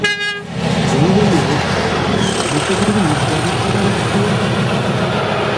রুমী বলল, লোকটা কি রকম মজা করতে পারে দেখলে বাবা?